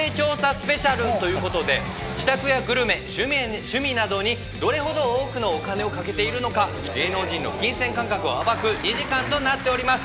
スペシャルということで、自宅やグルメ、趣味などにどれほど多くのお金をかけているのか、芸能人の金銭感覚を暴く２時間となっております！